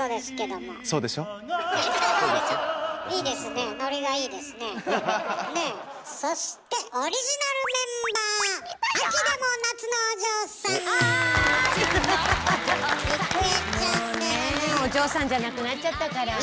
もうねえお嬢さんじゃなくなっちゃったから。